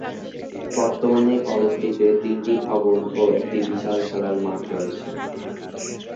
বর্তমানে কলেজটিতে তিনটি ভবন ও একটি বিশাল খেলার মাঠ রয়েছে।